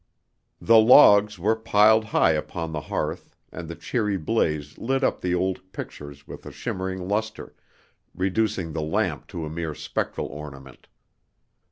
The logs were piled high upon the hearth, and the cheery blaze lit up the old pictures with a shimmering lustre, reducing the lamp to a mere spectral ornament.